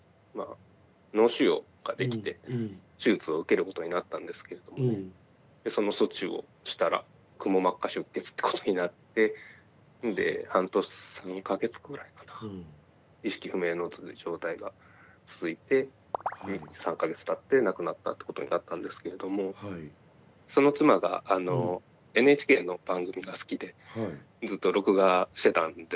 脳腫瘍ができて手術を受けることになったんですけどその措置をしたらくも膜下出血ってことになって半年３か月くらいかな意識不明の状態が続いて３か月たって亡くなったってことになったんですけれどもその妻がＮＨＫの番組が好きでずっと録画してたんですね。